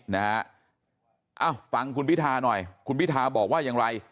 เอ้าฝังคุณพิธาหน่อยคุณพิธาบอกว่ายังไง